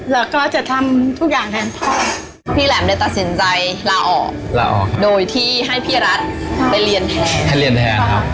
แล้วก็จะทำทุกอย่างแทนพ่อ